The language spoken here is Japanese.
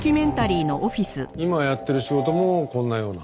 今やってる仕事もこんなような？